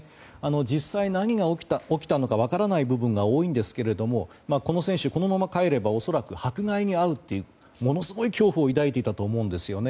実際、何が起きたのか分からない部分が多いんですが、この選手このまま帰れば恐らく迫害に遭うとものすごい恐怖を抱いていたと思うんですね。